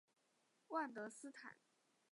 万德斯坦。